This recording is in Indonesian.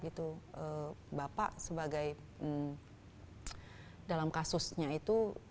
gitu bapak sebagai dalam kasusnya itu